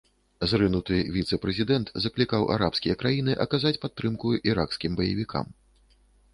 Зрынуты віцэ-прэзідэнт заклікаў арабскія краіны аказаць падтрымку іракскім баевікам.